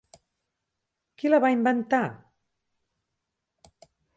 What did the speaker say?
Qui la va inventar?